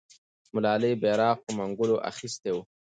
ملالۍ بیرغ په منګولو اخیستی وو.